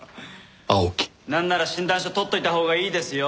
なんなら診断書取っといたほうがいいですよ。